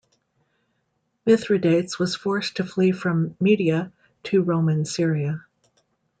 Mithridates was forced to flee from Media to Roman Syria.